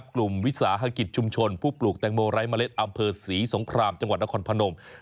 กลุ่มวิสาหกิจชุมชนผู้ปลูกแตงโมไร้เมล็ดอำเภอศรีสงครามจังหวัดนครพนม